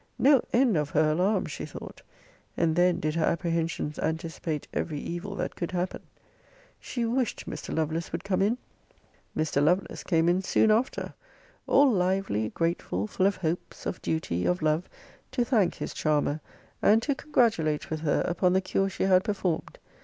no end of her alarms, she thought! And then did her apprehensions anticipate every evil that could happen. She wished Mr. Lovelace would come in. Mr. Lovelace came in soon after; all lively, grateful, full of hopes, of duty, of love, to thank his charmer, and to congratulate with her upon the cure she had performed.